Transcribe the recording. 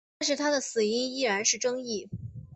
但是他的死因依然是争议。